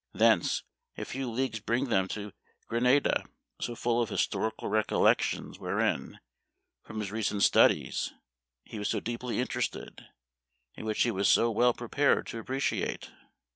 Thence, a few leagues bring them to Granada, so full of historical recollections, wherein, from his recent studies, he was so deeply 1 68 Memoir of Washington Irving. interested, and which he was so well prepared to appreciate.